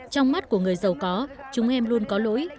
trong mắt của người giàu có chúng em luôn có lỗi